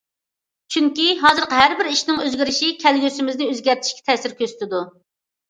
چۈنكى ھازىرقى ھەر بىر ئىشنىڭ ئۆزگىرىشى كەلگۈسىمىزنى ئۆزگەرتىشكە تەسىر كۆرسىتىدۇ.